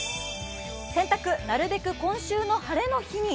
洗濯、なるべく今週の晴れの日に。